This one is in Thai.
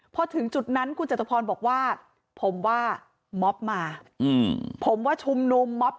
พอถึงจุดนั้นคุณจตุพรบอกว่าผมว่ามอบมาผมว่าชุมนุมม็อบ